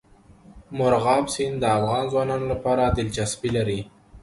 مورغاب سیند د افغان ځوانانو لپاره دلچسپي لري.